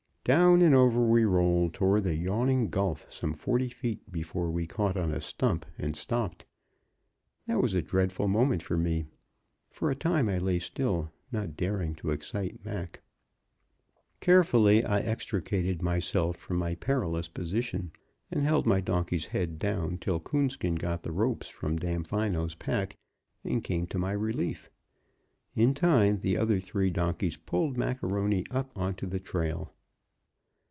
Down and over we rolled toward the yawning gulf some forty feet before we caught on a stump and stopped. That was a dreadful moment for me. For a time I lay still, not daring to excite Mac. Carefully I extricated myself from my perilous position, and held my donkey's head down till Coonskin got the ropes from Damfino's pack and came to my relief. In time the other three donkeys pulled Mac A'Rony up on to the trail.